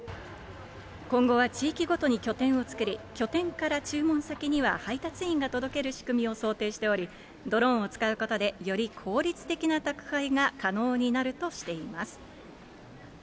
今後は地域ごとに拠点を作り、拠点から注文先には配達員が届ける仕組みを想定しており、ドローンを使うことで、より効率的な宅配が可能になるとしています。